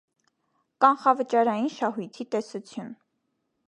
Կանխավճարային շահույթի տեսություն։